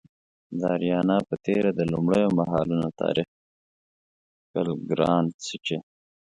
د اریانا په تیره د لومړیو مهالونو تاریخ کښل ګران څه چې